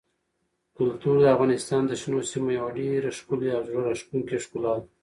کلتور د افغانستان د شنو سیمو یوه ډېره ښکلې او زړه راښکونکې ښکلا ده.